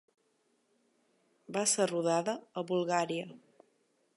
Va ser rodada a Bulgària.